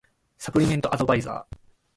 サプリメントアドバイザー